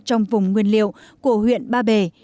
trong vùng nguyên liệu của huyện ba bề